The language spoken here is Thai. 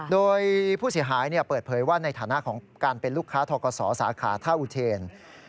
โดยผู้เสียหายเปิดเผยว่าในฐานะของการเป็นลูกค้าทกศสาขาท่าอุเทน